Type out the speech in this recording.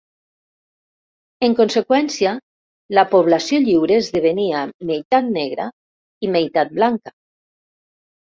En conseqüència, la població lliure esdevenia meitat negra i meitat blanca.